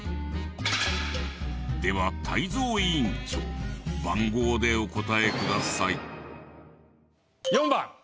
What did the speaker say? では泰造委員長番号でお答えください。